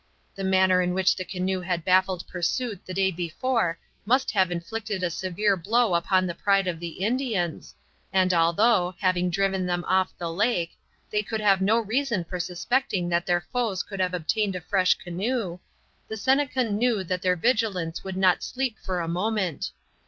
The manner in which the canoe had baffled pursuit the day before must have inflicted a severe blow upon the pride of the Indians, and although, having driven them off the lake, they could have no reason for suspecting that their foes could have obtained a fresh canoe, the Seneca knew that their vigilance would not sleep for a moment.